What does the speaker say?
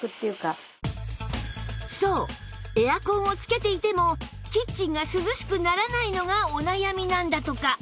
そうエアコンをつけていてもキッチンが涼しくならないのがお悩みなんだとか